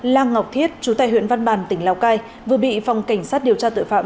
lan ngọc thiết chú tài huyện văn bàn tỉnh lào cai vừa bị phòng cảnh sát điều tra tội phạm